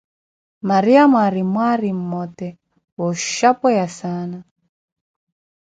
Maryamo aari mwaari mmote, wooshapweya saana